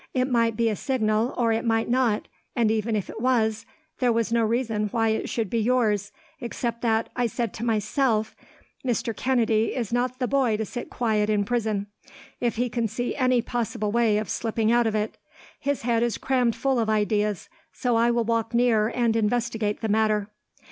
It might be a signal, or it might not, and even if it was, there was no reason why it should be yours, except that, I said to myself: "'Mr. Kennedy is not the boy to sit quiet in prison, if he can see any possible way of slipping out of it. His head is crammed full of ideas. So I will walk near and investigate the matter.'